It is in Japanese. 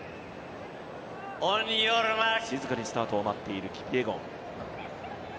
静かにスタートを待っているキピエゴン。